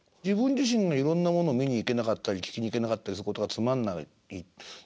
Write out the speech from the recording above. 自分自身がいろんなものを見に行けなかったり聴きに行けなかったりすることがつまんない。